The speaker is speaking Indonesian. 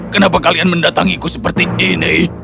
kenapa kalian mendatangiku seperti ini